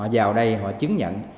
vào đây họ chứng nhận